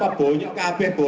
ini banyak kabir